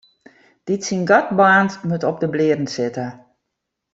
Dy't syn gat baarnt, moat op 'e blierren sitte.